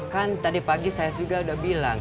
kan tadi pagi saya juga udah bilang